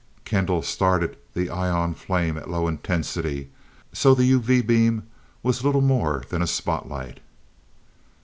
Kendall started the ion flame at low intensity, so the UV beam was little more than a spotlight.